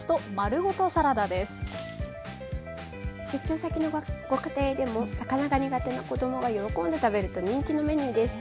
出張先のご家庭でも魚が苦手な子どもが喜んで食べると人気のメニューです。